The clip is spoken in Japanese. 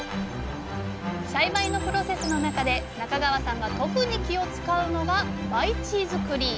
栽培のプロセスの中で中川さんが特に気を遣うのが培地づくり。